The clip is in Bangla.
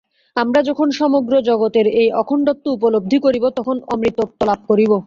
আমরা যখন সমগ্র জগতের এই অখণ্ডত্ব উপলব্ধি করিব, তখন অমৃতত্ব লাভ করিব।